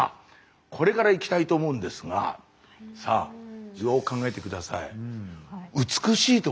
これからいきたいと思うんですがさあよく考えて下さい。